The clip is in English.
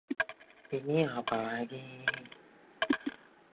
Success only comes through failure or the end is the realisation of futility.